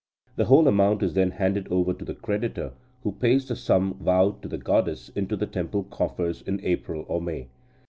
The whole amount is then handed over to the creditor, who pays the sum vowed to the goddess into the temple coffers in April or May.